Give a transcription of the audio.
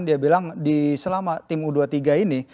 dia bilang selama tim u dua puluh tiga ini